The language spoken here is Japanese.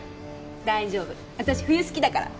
大丈夫私冬好きだから